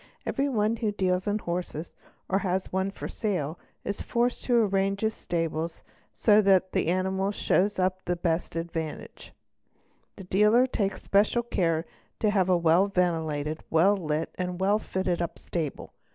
Every one who deals in horses or has one for sale is forced to arrange iis stable so that the anifnals show up to the best advantage. The dealer akes special care to have a well ventilated, well lit, and well fitted up table.